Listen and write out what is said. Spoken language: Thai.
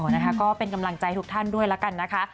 นะคะก็เป็นกำลังใจทุกท่านด้วยแล้วกันนะคะ